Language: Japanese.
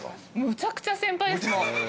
むちゃくちゃ先輩です。